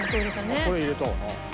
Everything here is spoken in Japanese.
あっこれ入れたわな。